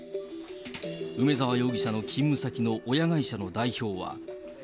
梅沢容疑者の勤務先の親会社の代表は。